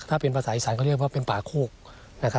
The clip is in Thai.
ถ้าเป็นภาษาอีสานเขาเรียกว่าเป็นป่าโคก